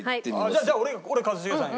じゃあ俺一茂さんやる。